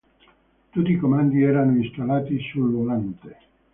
Tutti i comandi erano installati sul volante.